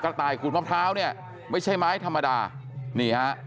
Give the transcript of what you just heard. ต่ายขูดมะพร้าวเนี่ยไม่ใช่ไม้ธรรมดานี่ฮะ